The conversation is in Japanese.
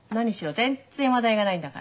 全然話題がないんだから。